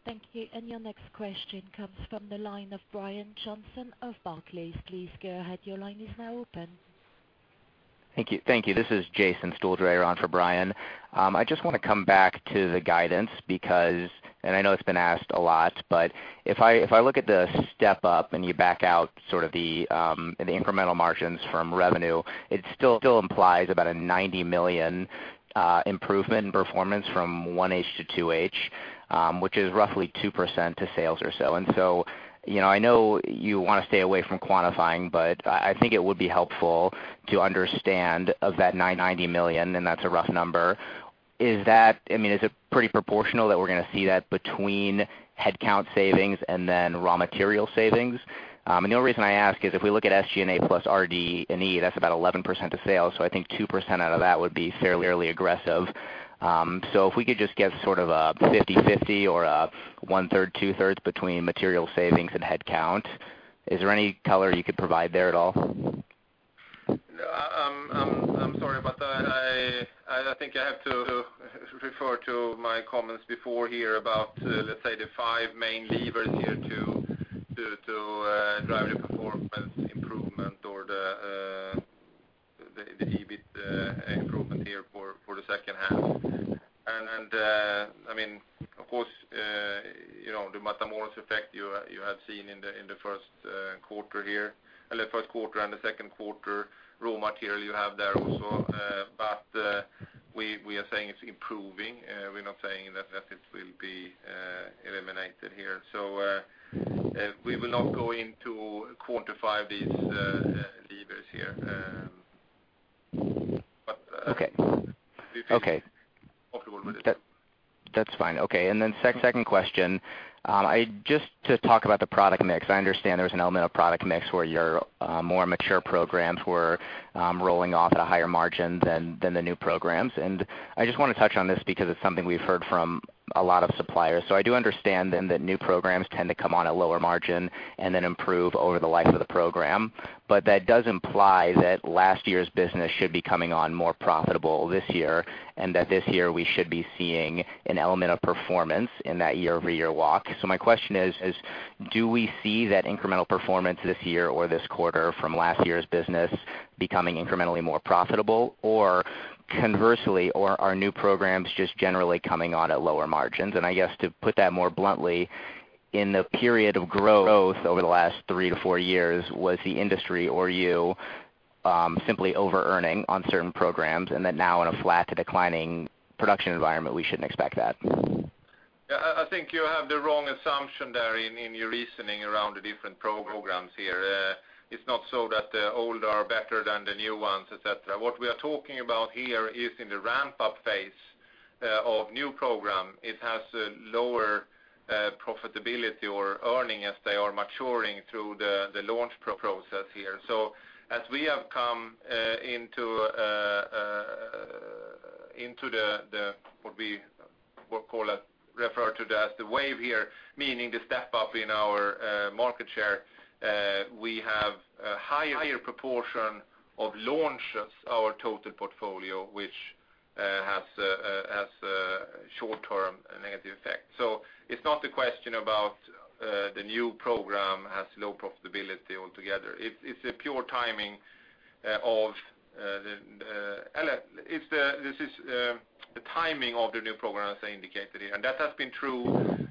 Thank you. Your next question comes from the line of Brian Johnson of Barclays. Please go ahead. Your line is now open. Thank you. This is Jason Stuhldreher on for Brian. I just want to come back to the guidance, and I know it's been asked a lot, but if I look at the step-up and you back out sort of the incremental margins from revenue, it still implies about a $90 million improvement in performance from 1H to 2H, which is roughly 2% to sales or so. I know you want to stay away from quantifying, but I think it would be helpful to understand of that $90 million, and that's a rough number, is it pretty proportional that we're going to see that between headcount savings and then raw material savings? The only reason I ask is if we look at SG&A plus RD&E, that's about 11% of sales, I think 2% out of that would be fairly aggressive. If we could just get sort of a 50/50 or a one-third, two-thirds between material savings and headcount, is there any color you could provide there at all? No. I'm sorry, but I think I have to refer to my comments before here about, let's say, the five main levers here to drive the performance improvement or the EBIT improvement here for the second half. Of course, the Matamoros effect you have seen in the first quarter here, well, the first quarter and the second quarter, raw material you have there also, but we are saying it's improving. We're not saying that it will be eliminated here. We will not go in to quantify these levers here. Okay We feel comfortable with it. That's fine. Okay. Second question, just to talk about the product mix. I understand there's an element of product mix where your more mature programs were rolling off at a higher margin than the new programs. I just want to touch on this because it's something we've heard from a lot of suppliers. I do understand then that new programs tend to come on at lower margin and then improve over the life of the program. That does imply that last year's business should be coming on more profitable this year, and that this year we should be seeing an element of performance in that year-over-year walk. My question is: Do we see that incremental performance this year or this quarter from last year's business becoming incrementally more profitable? Conversely, are our new programs just generally coming on at lower margins? I guess to put that more bluntly, in the period of growth over the last three to four years, was the industry or you simply overearning on certain programs, and that now in a flat to declining production environment, we shouldn't expect that? I think you have the wrong assumption there in your reasoning around the different programs here. It's not so that the old are better than the new ones, et cetera. What we are talking about here is in the ramp-up phase of new program, it has a lower profitability or earning as they are maturing through the launch process here. As we have come into what we refer to as the wave here, meaning the step up in our market share, we have a higher proportion of launches our total portfolio, which has a short-term negative effect. It's not a question about the new program has low profitability altogether. It's the timing of the new program, as I indicated here. That has been true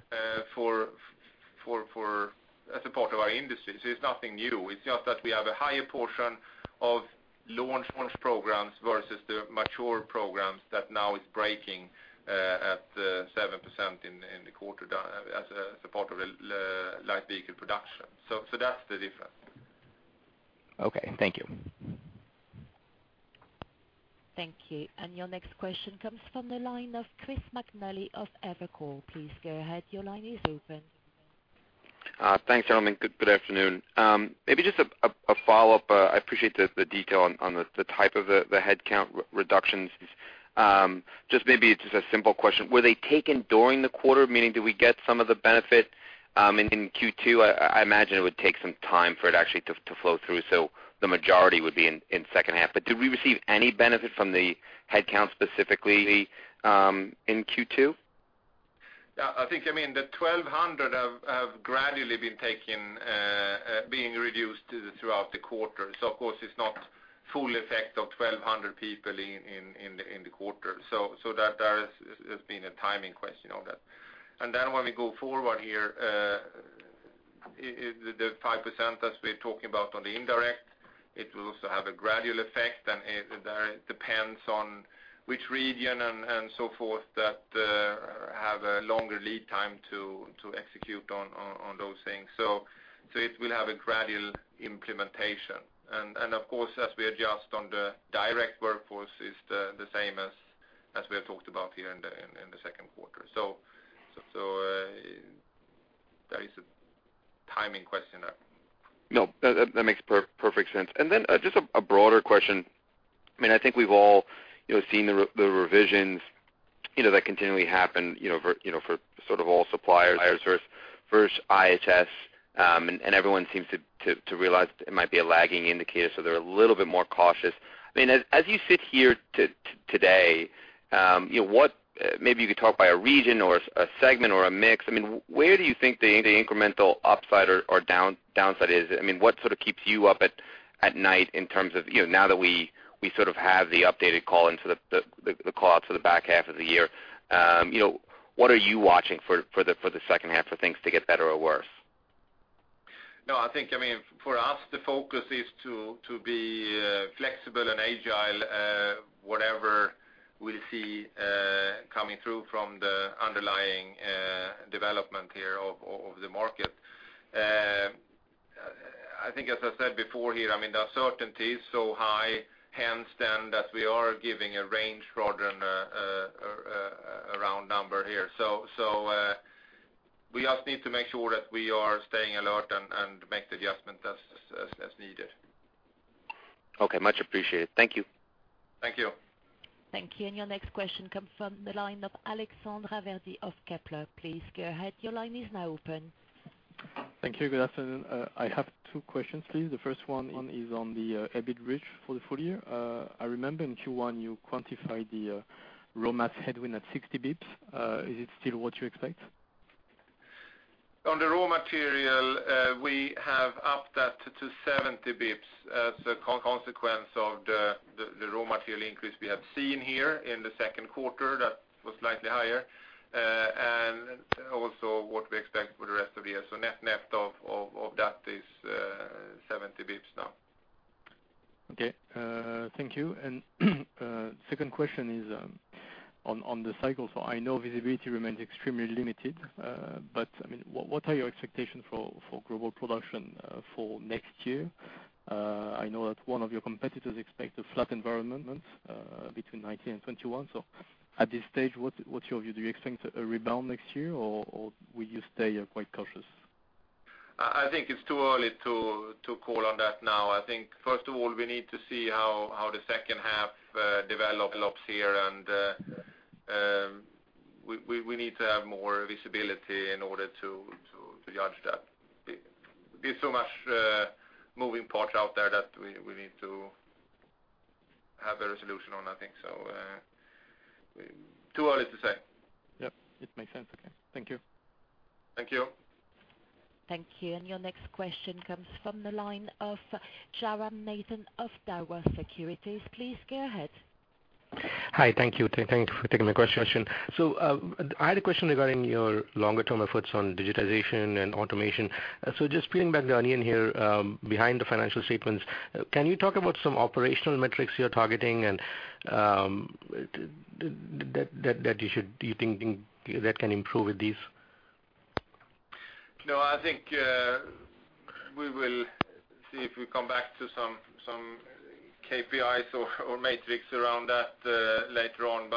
as a part of our industry, so it's nothing new. It's just that we have a higher portion of launch programs versus the mature programs that now is breaking at 7% in the quarter as a part of light vehicle production. That's the difference. Thank you. Thank you. Your next question comes from the line of Chris McNally of Evercore. Please go ahead. Your line is open. Thanks, gentlemen. Good afternoon. A follow-up. I appreciate the detail on the type of the headcount reductions. It's a simple question. Were they taken during the quarter? Meaning, do we get some of the benefit in Q2? I imagine it would take some time for it actually to flow through, so the majority would be in second half. Did we receive any benefit from the headcount specifically in Q2? The 1,200 have gradually been reduced throughout the quarter. Of course, it's not full effect of 1,200 people in the quarter. That has been a timing question of that. When we go forward here, the 5% as we're talking about on the indirect, it will also have a gradual effect, and there it depends on which region and so forth that have a longer lead time to execute on those things. It will have a gradual implementation. Of course, as we adjust on the direct workforce is the same as we have talked about here in the second quarter. That is a timing question. That makes perfect sense. A broader question. I think we've all seen the revisions that continually happen for sort of all suppliers versus IHS. Everyone seems to realize it might be a lagging indicator, so they're a little bit more cautious. As you sit here today, maybe you could talk by a region or a segment or a mix. Where do you think the incremental upside or downside is? What sort of keeps you up at night in terms of now that we sort of have the updated call out for the back half of the year, what are you watching for the second half for things to get better or worse? For us, the focus is to be flexible and agile whatever we see coming through from the underlying development here of the market. I think as I said before here, the uncertainty is so high, hence then that we are giving a range rather than a round number here. We need to make sure that we are staying alert and make the adjustment as needed. Okay. Much appreciated. Thank you. Thank you. Thank you. Your next question come from the line of Alexandre Raverdy of Kepler. Please go ahead. Your line is now open. Thank you. Good afternoon. I have two questions, please. The first one is on the EBIT bridge for the full year. I remember in Q1 you quantified the raw mats headwind at 60 basis points. Is it still what you expect? On the raw material, we have upped that to 70 basis points as a consequence of the raw material increase we have seen here in the second quarter, that was slightly higher. Also what we expect for the rest of the year. Net of that is 70 basis points now. Okay. Thank you. Second question is on the cycle. I know visibility remains extremely limited, but what are your expectations for global production for next year? I know that one of your competitors expect a flat environment between 2019 and 2021. At this stage, what's your view? Do you expect a rebound next year, or will you stay quite cautious? I think it's too early to call on that now. I think first of all, we need to see how the second half develops here, we need to have more visibility in order to judge that. There's so much moving parts out there that we need to have a resolution on, I think. Too early to say. Yep. It makes sense. Okay. Thank you. Thank you. Thank you. Your next question comes from the line of Jairam Nathan of Daiwa Securities. Please go ahead. Hi. Thank you for taking my question. I had a question regarding your longer-term efforts on digitization and automation. Just peeling back the onion here behind the financial statements, can you talk about some operational metrics you're targeting and that you think that can improve with these? No, I think we will see if we come back to some KPIs or metrics around that later on.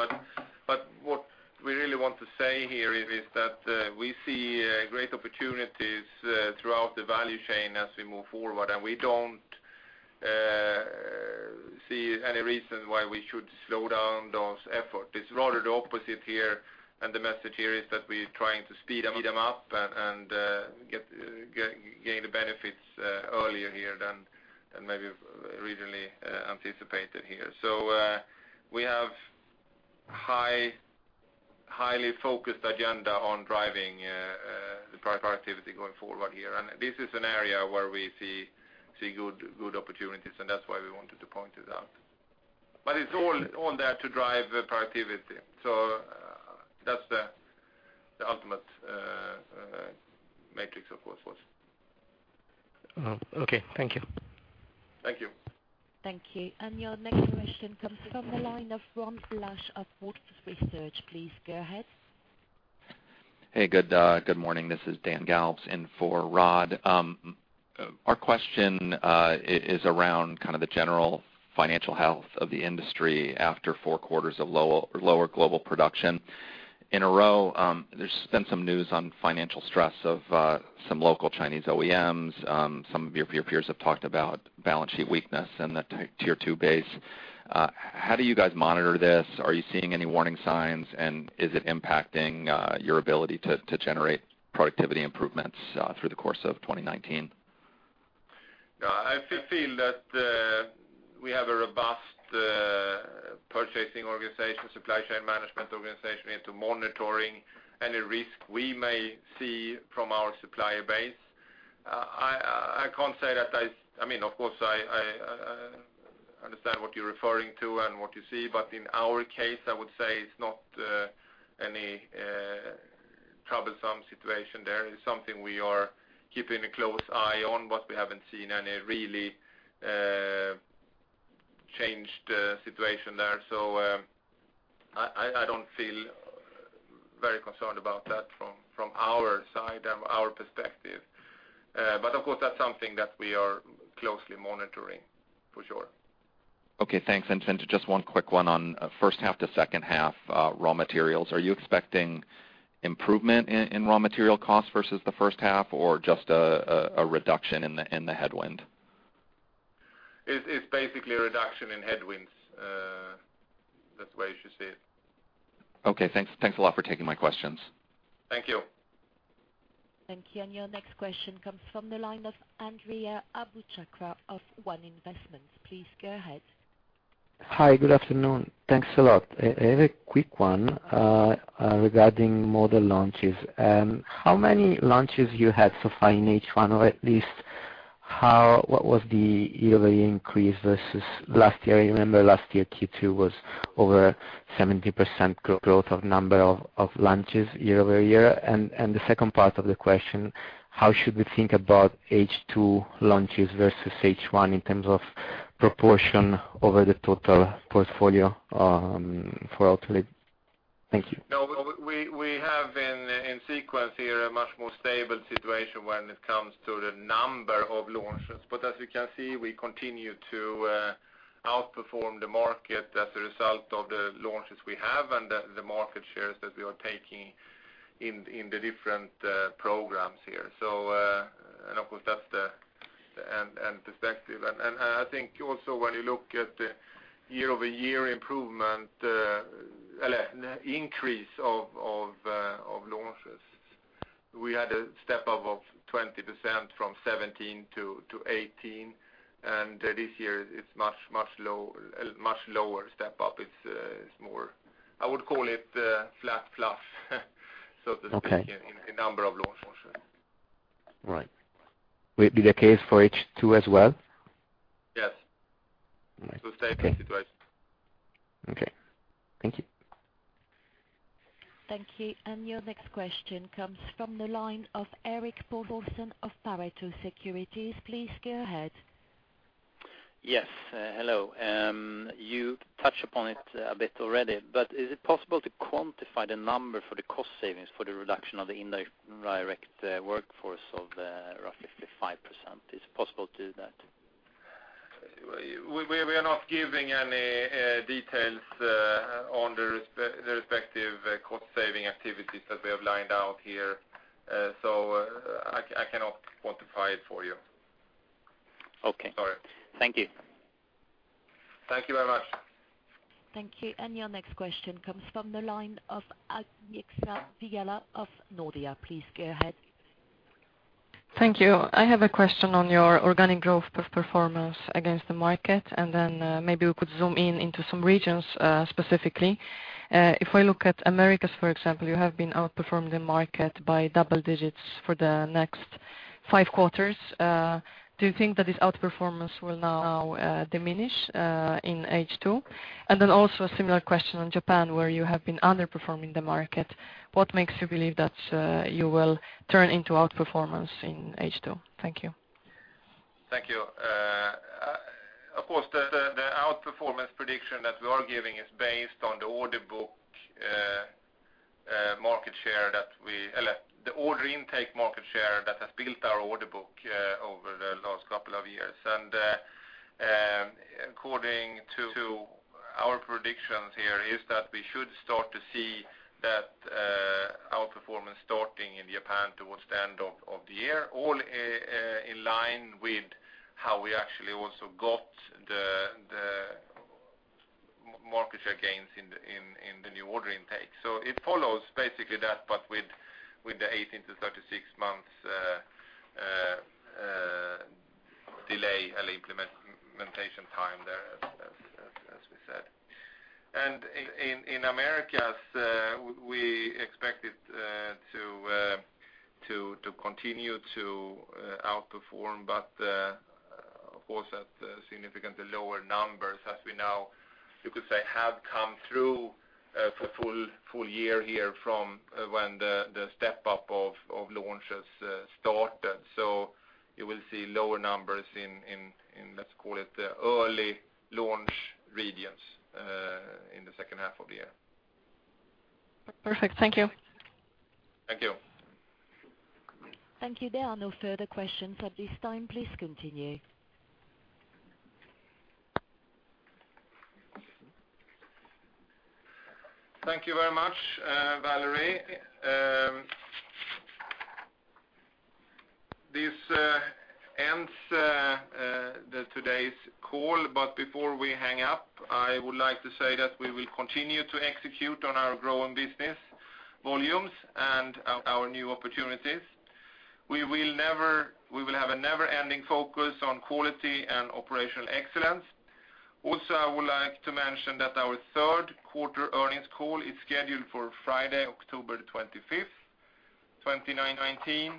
What we really want to say here is that we see great opportunities throughout the value chain as we move forward, and we don't see any reason why we should slow down those efforts. It's rather the opposite here, and the message here is that we're trying to speed them up and gain the benefits earlier here than maybe originally anticipated here. We have highly focused agenda on driving the productivity going forward here, and this is an area where we see good opportunities, and that's why we wanted to point it out. It's all there to drive productivity. That's the ultimate metric, of course. Okay. Thank you. Thank you. Thank you. Your next question comes from the line of Rod Lache of Wolfe Research. Please go ahead. Hey, good morning. This is Dan Galves in for Rod. Our question is around kind of the general financial health of the industry after four quarters of lower global production in a row. There's been some news on financial stress of some local Chinese OEMs. Some of your peers have talked about balance sheet weakness and the Tier 2 base. How do you guys monitor this? Are you seeing any warning signs, and is it impacting your ability to generate productivity improvements through the course of 2019? I feel that we have a robust purchasing organization, supply chain management organization into monitoring any risk we may see from our supplier base. I can't say that I understand what you're referring to and what you see, but in our case, I would say it's not any troublesome situation there. It's something we are keeping a close eye on, but we haven't seen any really changed situation there. I don't feel very concerned about that from our side, our perspective. That's something that we are closely monitoring for sure. Okay, thanks. Just one quick one on first half to second half raw materials. Are you expecting improvement in raw material costs versus the first half or just a reduction in the headwind? It's basically a reduction in headwinds. That's the way you should see it. Okay, thanks. Thanks a lot for taking my questions. Thank you. Thank you. Your next question comes from the line of Andrea Abouchacra of One Investments. Please go ahead. Hi, good afternoon. Thanks a lot. I have a quick one regarding model launches. How many launches you had so far in H1, or at least what was the yearly increase versus last year? I remember last year Q2 was over 70% growth of number of launches year-over-year. The second part of the question, how should we think about H2 launches versus H1 in terms of proportion over the total portfolio for Autoliv? Thank you. We have in sequence here a much more stable situation when it comes to the number of launches. As you can see, we continue to outperform the market as a result of the launches we have and the market shares that we are taking in the different programs here. Of course, that's the end perspective. I think also when you look at the year-over-year increase of launches, we had a step up of 20% from 2017 to 2018, and this year it's much lower step up. I would call it flat plus, so to speak. Okay In number of launches. Right. Will it be the case for H2 as well? Yes. Right. Okay. Same situation. Okay. Thank you. Thank you. Your next question comes from the line of Erik Paulsson of Pareto Securities. Please go ahead. Yes. Hello. You touched upon it a bit already, is it possible to quantify the number for the cost savings for the reduction of the indirect workforce of roughly 5%? Is it possible to do that? We are not giving any details on the respective cost-saving activities that we have lined out here. I cannot quantify it for you. Okay. Sorry. Thank you. Thank you very much. Thank you. Your next question comes from the line of Agnieszka Vilela of Nordea. Please go ahead. Thank you. I have a question on your organic growth performance against the market, maybe we could zoom in into some regions specifically. If I look at Americas, for example, you have been outperforming the market by double digits for the next five quarters. Do you think that this outperformance will now diminish in H2? Also a similar question on Japan, where you have been underperforming the market. What makes you believe that you will turn into outperformance in H2? Thank you. Thank you. Of course, the outperformance prediction that we are giving is based on the order intake market share that has built our order book over the last couple of years. According to our predictions here is that we should start to see that outperformance starting in Japan towards the end of the year, all in line with how we actually also got the market share gains in the new order intake. It follows basically that, but with the 18 to 36 months delay and implementation time there, as we said. In Americas, we expect it to continue to outperform, but of course at significantly lower numbers as we now, you could say, have come through a full year here from when the step up of launches started. You will see lower numbers in, let's call it, the early launch regions in the second half of the year. Perfect. Thank you. Thank you. Thank you. There are no further questions at this time. Please continue. Thank you very much, Valerie. This ends today's call, but before we hang up, I would like to say that we will continue to execute on our growing business volumes and our new opportunities. We will have a never-ending focus on quality and operational excellence. Also, I would like to mention that our third quarter earnings call is scheduled for Friday, October 25th, 2019.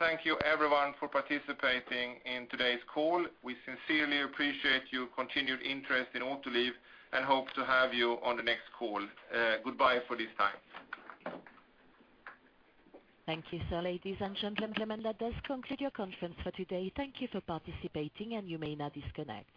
Thank you everyone for participating in today's call. We sincerely appreciate your continued interest in Autoliv and hope to have you on the next call. Goodbye for this time. Thank you, sir. Ladies and gentlemen, that does conclude your conference for today. Thank you for participating, and you may now disconnect.